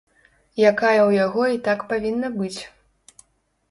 Якая ў яго і так павінна быць.